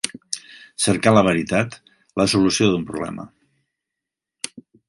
Cercar la veritat, la solució d'un problema.